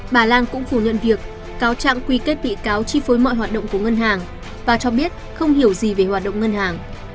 bà lan cũng phủ nhận việc cáo trạng quy kết bị cáo chi phối mọi hoạt động của ngân hàng và cho biết không hiểu gì về hoạt động ngân hàng